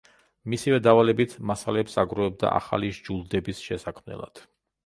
მისივე დავალებით მასალებს აგროვებდა ახალი სჯულდების შესაქმნელად.